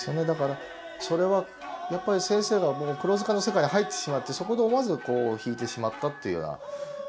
だからそれはやっぱり先生がもう「黒塚」の世界に入ってしまってそこで思わずこう弾いてしまったっていうような。